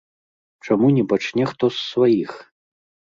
Чаму не пачне хто з сваіх?